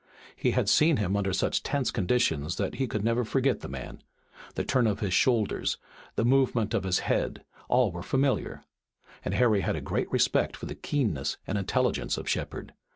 He had seen him under such tense conditions that he could never forget the man. The turn of his shoulders, the movement of his head all were familiar. And Harry had a great respect for the keenness and intelligence of Shepard.